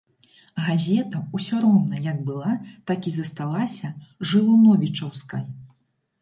Газета ўсё роўна як была так і засталася жылуновічаўскай.